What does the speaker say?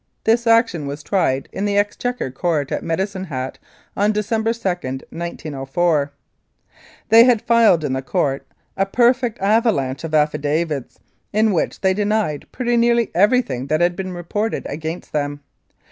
This action was tried in the Exchequer Court at Medicine Hat on December 2, 1904. They had filed in the Court a perfect avalanche of affidavits, in which they denied pretty nearly everything that had been reported against them.